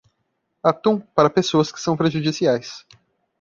Atum, para pessoas que são prejudiciais.